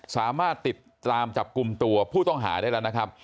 สามารถติดตามจับกลุ่มตัวผู้ต้องหาได้แล้วนะครับ